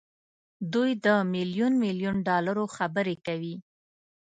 دوی د ميليون ميليون ډالرو خبرې کوي.